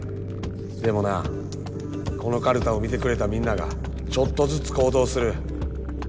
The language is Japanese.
でもなこのカルタを見てくれたみんながちょっとずつ行動する。